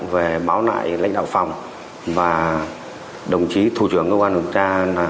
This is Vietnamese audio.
huyện rồng anna